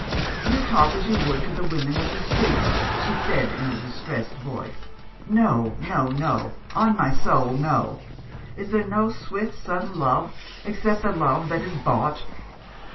"You talk as you would to the women of the streets," she said in a distressed voice. " No, no, no ! On my soul, no ! Is there no swift sudden love except the love that is bought